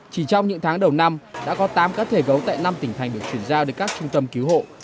chỉ trong những tháng đầu năm đã có tám cá thể gấu tại năm tỉnh thành được chuyển giao đến các trung tâm cứu hộ